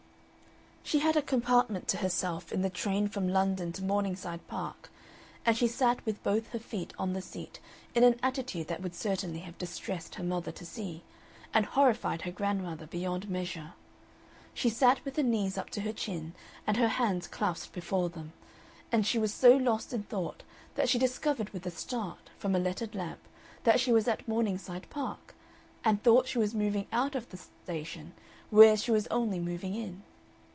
She had a compartment to herself in the train from London to Morningside Park, and she sat with both her feet on the seat in an attitude that would certainly have distressed her mother to see, and horrified her grandmother beyond measure; she sat with her knees up to her chin and her hands clasped before them, and she was so lost in thought that she discovered with a start, from a lettered lamp, that she was at Morningside Park, and thought she was moving out of the station, whereas she was only moving in.